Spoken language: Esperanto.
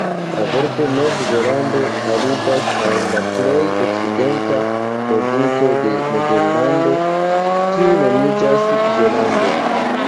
La vorto "Nov-Zelando" aludas al la plej okcidenta provinco de Nederlando, kiu nomiĝas Zelando.